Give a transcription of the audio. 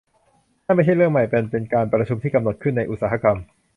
นั่นไม่ใช่เรื่องใหม่มันเป็นการประชุมที่กำหนดขึ้นในอุตสาหกรรม